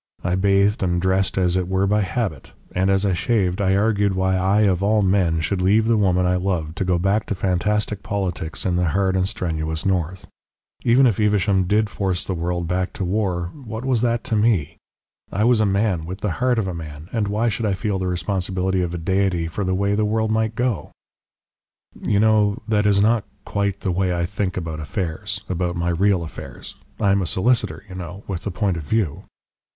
I bathed and dressed as it were by habit, and as I shaved I argued why I of all men should leave the woman I loved to go back to fantastic politics in the hard and strenuous north. Even if Evesham did force the world back to war, what was that to me? I was a man, with the heart of a man, and why should I feel the responsibility of a deity for the way the world might go? "You know that is not quite the way I think about affairs, about my real affairs. I am a solicitor, you know, with a point of view.